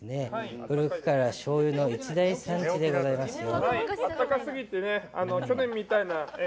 古くからしょうゆの一大産地でございますよ。